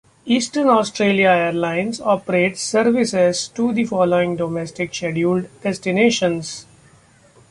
Eastern Australia Airlines operates services to the following domestic scheduled destinations.